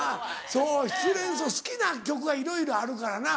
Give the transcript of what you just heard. そう失恋ソング好きな曲はいろいろあるからな。